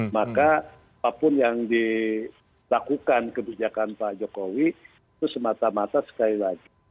maka apapun yang dilakukan kebijakan pak jokowi itu semata mata sekali lagi